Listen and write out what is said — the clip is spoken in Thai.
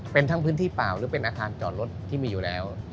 เป็นทั้งพื้นที่เปล่าหรือเป็นอาคารจอดรถที่มีอยู่แล้ว